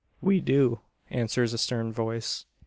"We do," answers a stern voice.